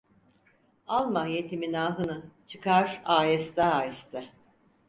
Alma yetimin ahını! Çıkar aheste aheste.